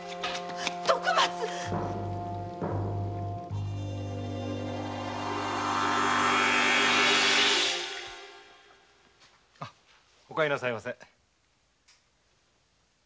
徳松お帰りなさいませ。